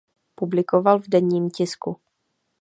Publikoval v denním tisku.